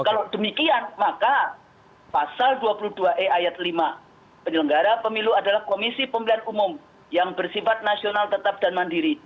kalau demikian maka pasal dua puluh dua e ayat lima penyelenggara pemilu adalah komisi pemilihan umum yang bersifat nasional tetap dan mandiri